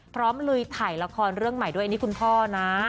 พร้อมเลยถ่ายละครเรื่องใหม่ด้วยอันนี้คุณพ่อนะ